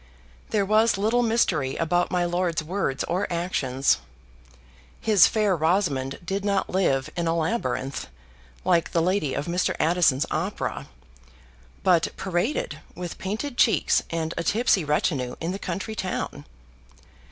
There was little mystery about my lord's words or actions. His Fair Rosamond did not live in a Labyrinth, like the lady of Mr. Addison's opera, but paraded with painted cheeks and a tipsy retinue in the country town.